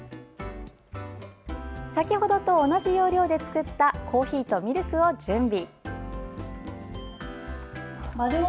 先ほどと同じ要領で作ったコーヒーとミルクを準備。